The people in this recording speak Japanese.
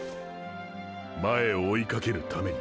前を追いかけるために――